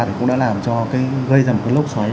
thì cũng đã làm cho gây ra một cái lốc xoáy